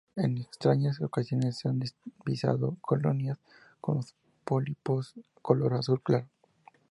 En extrañas ocasiones se han divisado colonias con los pólipos color azul claro.